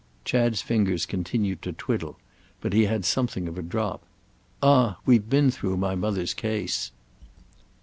Chad's fingers continued to twiddle, but he had something of a drop. "Ah we've been through my mother's case!"